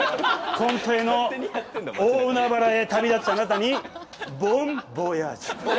コントへの大海原へ旅立つあなたにボンボヤージュ！